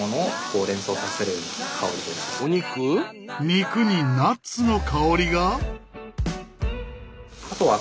肉にナッツの香りが！？